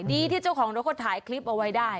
ดีที่เจ้าของเราก็ถ่ายคลิปเอาไว้ได้